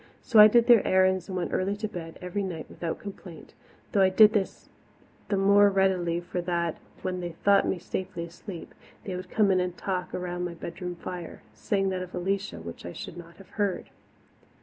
So I did their errands and went early to bed every night without complaint though I did this the more readily for that, when they thought me safely asleep, they would come in and talk around my bedroom fire, saying that of Alicia which I should not have heard.